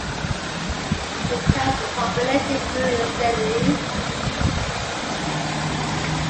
The town's population grew steadily.